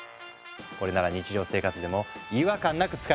これなら日常生活でも違和感なく使えるよね。